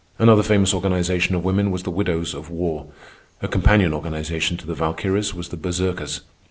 Another famous organization of women was The Widows of War. A companion organization to the Valkyries was the Berserkers.